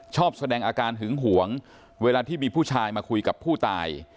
ชอบแสดงอาการหึงหวงเวลาที่มีผู้ชายมาคุยกับผู้ตาย